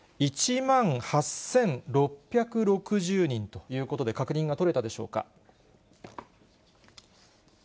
１万８６６０人ということで、確認が取れたでしょうか。